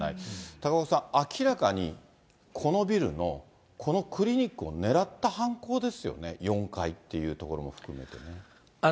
高岡さん、明らかにこのビルの、このクリニックをねらった犯行ですよね、４階っていうところも含めてね。